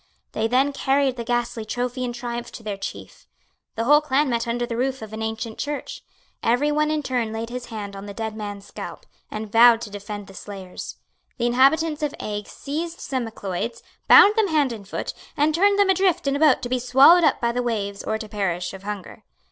They then carried the ghastly trophy in triumph to their chief. The whole clan met under the roof of an ancient church. Every one in turn laid his hand on the dead man's scalp, and vowed to defend the slayers. The inhabitants of Eigg seized some Macleods, bound them hand and foot, and turned them adrift in a boat to be swallowed up by the waves or to perish of hunger.